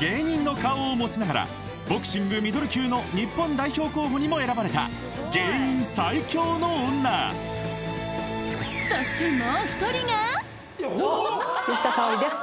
芸人の顔を持ちながらボクシングミドル級の日本代表候補にも選ばれた芸人最強の女そして吉田沙保里です